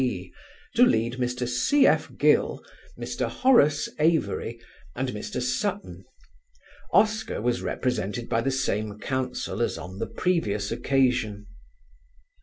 P., to lead Mr. C.F. Gill, Mr. Horace Avory, and Mr. Sutton. Oscar was represented by the same counsel as on the previous occasion.